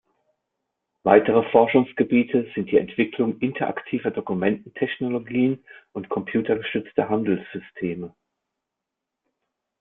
Weitere Forschungsgebiete sind die Entwicklung interaktiver Dokumenten-Technologien und computergestützter Handelssysteme.